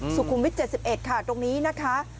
สุขุมวิท๗๑ค่ะตรงนี้นะคะ